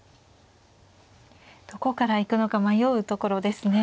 どこから行くのか迷うところですね。